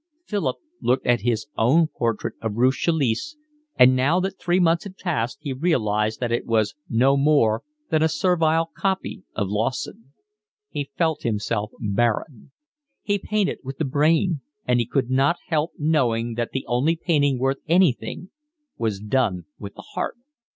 Philip looked at his own portrait of Ruth Chalice, and now that three months had passed he realised that it was no more than a servile copy of Lawson. He felt himself barren. He painted with the brain, and he could not help knowing that the only painting worth anything was done with the heart.